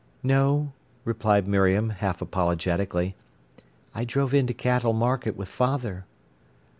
"No," replied Miriam, half apologetically. "I drove in to Cattle Market with father."